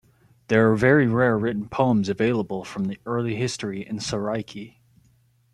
There are very rare written poems available from the early history in Saraiki.